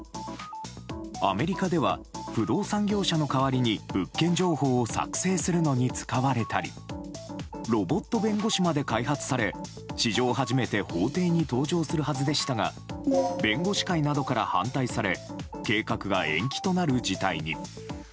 アメリカでは不動産業者の代わりに物件情報を作成するのに使われたりロボット弁護士まで開発され史上初めて法廷に登場するはずでしたが弁護士会などから反対され計画が延期となる事態に。